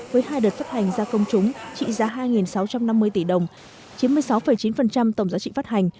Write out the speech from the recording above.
với hai đợt phát hành ra công chúng trị giá hai sáu trăm năm mươi tỷ đồng chín mươi sáu chín tổng giá trị phát hành